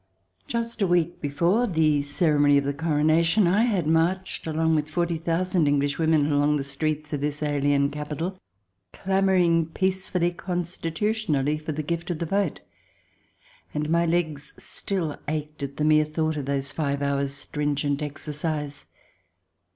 Just a week before the ceremony of the Corona tion I had marched, along with forty thousand Englishwomen, through the streets of this alien capital, clamouring peacefully, constitutionally, for the gift of the vote ; and my legs still ached at the mere thought of those five hours' stringent exer cise.